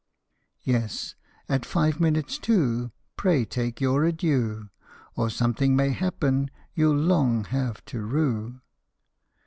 Yes ; at five minutes to, pray take your adieu, Or something may happen you '11 long have to rue